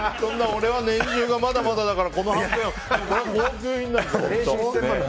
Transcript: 俺は年収がまだまだだからこのはんぺんは高級品だって。